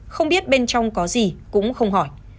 không biết bên trong có gì cũng không hỏi